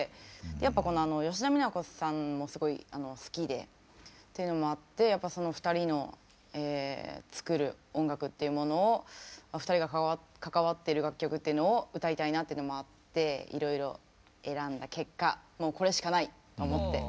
やっぱ吉田美奈子さんもすごい好きでというのもあってやっぱその２人の作る音楽っていうものを２人が関わってる楽曲っていうのを歌いたいなっていうのもあっていろいろ選んだ結果もうこれしかないと思って。